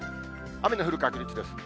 雨の降る確率です。